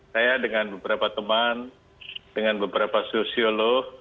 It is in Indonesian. saya dengan beberapa teman dengan beberapa sosiolog